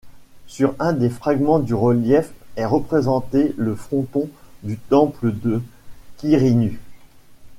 Sur un des fragments du relief est représenté le fronton du temple de Quirinus.